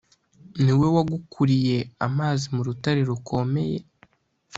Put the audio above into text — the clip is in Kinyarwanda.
ni we wagukuriye amazi mu rutare rukomeye.